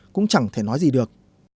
cũng chẳng thể nói gì được